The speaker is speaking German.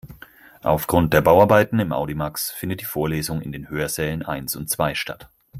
Aufgrund der Bauarbeiten im Audimax findet die Vorlesung in den Hörsälen eins und zwei statt.